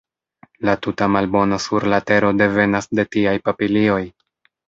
La tuta malbono sur la tero devenas de tiaj papilioj!